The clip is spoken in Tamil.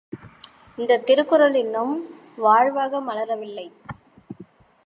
இந்தத் திருக்குறள் இன்னும் வாழ்வாக மலரவில்லை!